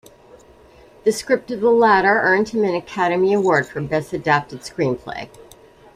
The script of the latter earned him an Academy Award for Best Adapted Screenplay.